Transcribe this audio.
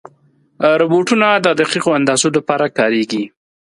روبوټونه د دقیقو اندازو لپاره کارېږي.